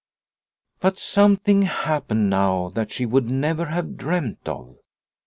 But something happened now that she would never have dreamt of.